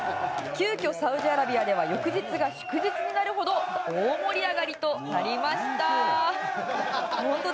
急きょ、サウジアラビアでは翌日が祝日になるほど盛り上がりとなりました。